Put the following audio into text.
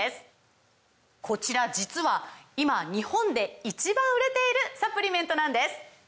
こちら実は今日本で１番売れているサプリメントなんです！